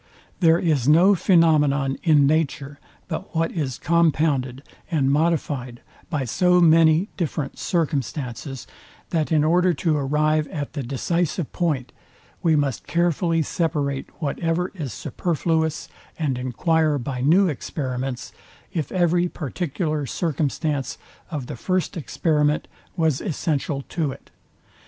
There is no phænomenon in nature, but what is compounded and modifyd by so many different circumstances, that in order to arrive at the decisive point, we must carefully separate whatever is superfluous, and enquire by new experiments, if every particular circumstance of the first experiment was essential to it.